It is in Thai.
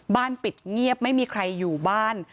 ปิดเงียบไม่มีใครอยู่บ้าน